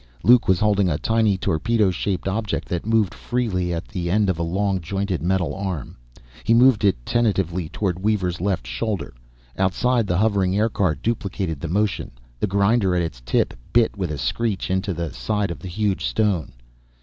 Luke was holding a tiny torpedo shaped object that moved freely at the end of a long, jointed metal arm. He moved it tentatively toward Weaver's left shoulder. Outside, the hovering aircar duplicated the motion: the grinder at its tip bit with a screech into the side of the huge stone.